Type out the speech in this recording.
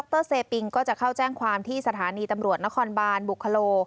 ที่ดรเซบิงก็จะเข้าแจ้งความที่สถานีตำลวดนครบาลบุภาโล